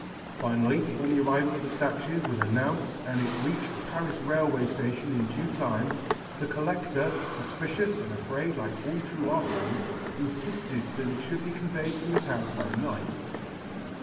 Finally, when the arrival of the statue was announced and it reached the Paris railway station in due time, the collector, suspicious and afraid like all true art lovers, insisted that it should be conveyed to his house by night.